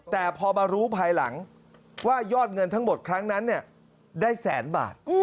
แต่พอมารู้ภายหลังว่ายอดเงินทั้งหมดครั้งนั้นได้แสนบาท